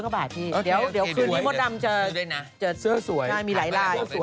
๒รถกว่าบาทพี่เดี๋ยวคืนนี้มดดำจะมีหลายลาย